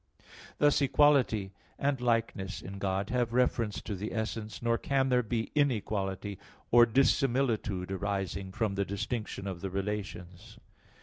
Thus equality and likeness in God have reference to the essence; nor can there be inequality or dissimilitude arising from the distinction of the relations.